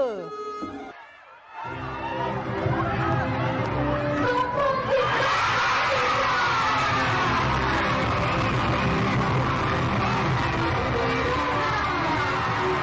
ถอย